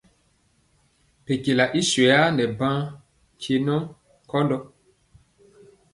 Mpekyela i swɛyaa nɛ baŋa nkye nɔ nkɔndɔ.